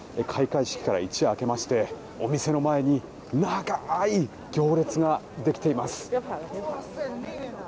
開会式から一夜明けましてお店の前に長い行列ができています。